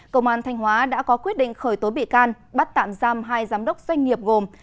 công an thanh hóa đã có quyết định khởi tố bị can bắt tạm giam hai giám đốc doanh nghiệp gồm